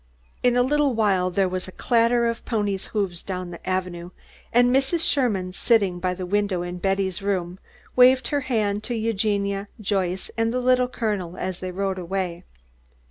In a little while there was a clatter of ponies' hoofs down the avenue, and Mrs. Sherman, sitting by the window in Betty's room, waved her hand to Eugenia, Joyce, and the Little Colonel as they rode away.